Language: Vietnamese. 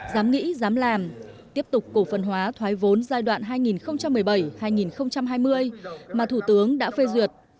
dám nghĩ dám làm tiếp tục cổ phần hóa thoái vốn giai đoạn hai nghìn một mươi bảy hai nghìn hai mươi mà thủ tướng đã phê duyệt